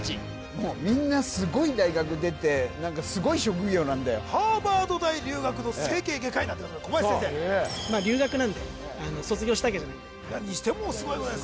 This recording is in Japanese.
もうみんなすごい大学出て何かすごい職業なんだよハーバード大留学の整形外科医なんていうのが小林先生まあ留学なんで卒業したわけじゃないんでにしてもすごいわよ